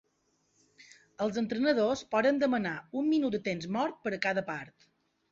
Els entrenadors poden demanar un minut de temps mort per a cada part.